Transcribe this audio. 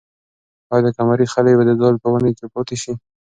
آیا د قمرۍ خلی به دا ځل په ونې کې پاتې شي؟